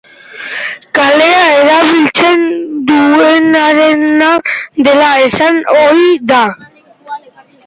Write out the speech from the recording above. Kalea erabiltzen duenarena dela esan ohi da.